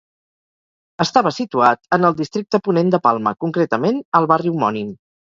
Estava situat en el districte Ponent de Palma, concretament al barri homònim.